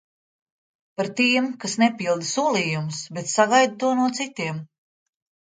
Par tiem, kas nepilda solījumus, bet sagaida to no citiem.